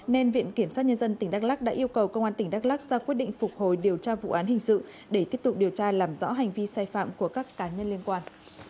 nên viện kiểm sát nhân dân tỉnh đắk lắc đã yêu cầu công an tỉnh đắk lắc ra quyết định phục hồi điều tra vụ án hình sự để tiếp tục điều tra làm rõ hành vi sai phạm của các cá nhân liên quan